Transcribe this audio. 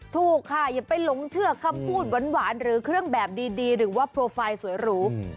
ถูกค่ะอย่าไปหลงเชื่อคำพูดหวานหรือเครื่องแบบดีหรือว่าโปรไฟล์สวยหรู